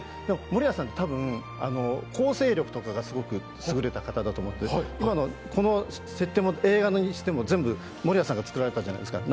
守谷さん、多分構成力とかがすごく優れた方だと思うので今のこの設定も映画にしても全部、守谷さんが作られたじゃないですか。